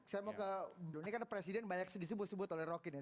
saya mau ke undang undang ini karena presiden banyak disebut sebut oleh rocky nih